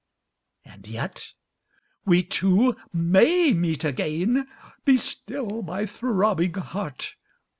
ŌĆØ) And yetŌĆöwe two may meet againŌĆö(Be still, my throbbing heart!)